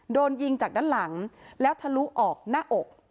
โดนยิงจากด้านหลังแล้วทะลุออกหน้าอก